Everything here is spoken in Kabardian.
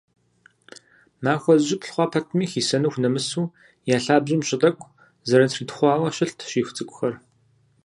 Махуэ зыщыплӏ хъуа пэтми, хисэну хунэмысу, я лъабжьэм щӏы тӏэкӏу зэрытритхъуауэ, щылът щиху цӏыкӏухэр.